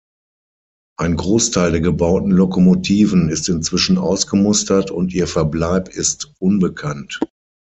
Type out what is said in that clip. Ein Großteil der gebauten Lokomotiven ist inzwischen ausgemustert und ihr Verbleib ist unbekannt.